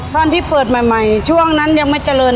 ตอนที่เปิดใหม่ช่วงนั้นยังไม่เจริญ